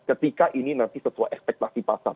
ketika ini nanti sesuai ekspektasi pasar